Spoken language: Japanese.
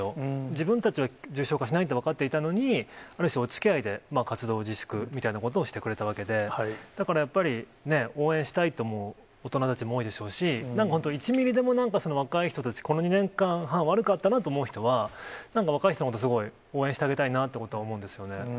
自分たちは重症化しないって分かっていたのに、ある種、おつきあいで活動を自粛みたいなことをしてくれたわけで、だからやっぱりね、応援したいと思う大人たちも多いでしょうし、なんか本当１ミリでも若い人たち、この２年間半、悪かったなと思う人は、なんか若い人のことをすごい応援してあげたいなということは思うんですよ